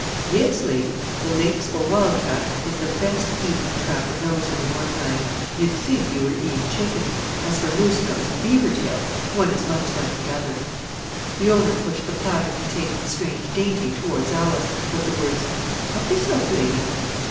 "Yes, lady, the lynx, or wild cat, is the best eating the trapper knows in the Northland. You would think you were eating chicken. As for moose nose and beaver tail, one is much like the other." The owner pushed the platter containing the strange dainty towards Alice, with the words, "Help yourself, lady."